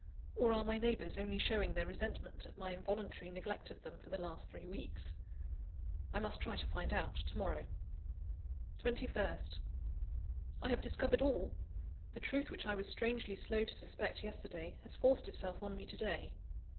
Or are my neighbours only showing their resentment at my involuntary neglect of them for the last three weeks? I must try to find out to morrow. 21st I have discovered all! The truth, which I was strangely slow to suspect yesterday, has forced itself on me to day.